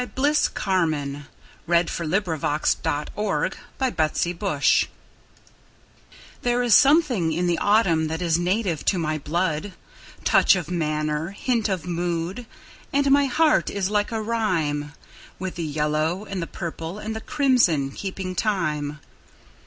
Bliss Carman A Vagabond Song THERE is something in the autumn that is native to my blood—Touch of manner, hint of mood; And my heart is like a rhyme, With the yellow and the purple and the crimson keeping time.